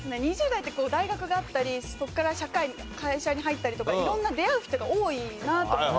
２０代ってこう大学があったりそこから会社に入ったりとか色んな出会う人が多いなと。